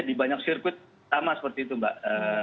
di banyak sirkuit sama seperti itu mbak